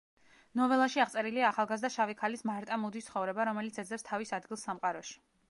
ნოველაში აღწერილია ახალგაზრდა შავი ქალის მარტა მუდის ცხოვრება, რომელიც ეძებს თავის ადგილს სამყაროში.